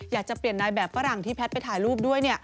อยากจะเปลี่ยนนายแบบฝรั่งที่แพทย์ไปถ่ายรูปด้วย